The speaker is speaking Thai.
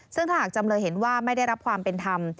ซึ่งถ้าหากจำเลยเห็นว่าไม่ได้รับความเป็นธรรม